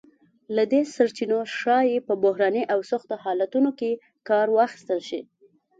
له دې سرچینو ښایي په بحراني او سختو حالتونو کې کار واخیستل شی.